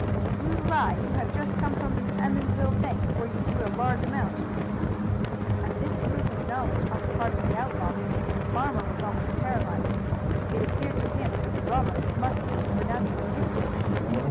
"You lie! You have just come from the Emmonsville bank, where you drew a large amount." At this proof of knowledge on the part of the outlaw the farmer was almost paralyzed. It appeared to him that the robber must be supernaturally gifted.